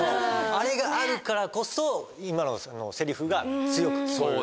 あれがあるからこそ今のセリフが強く聞こえる。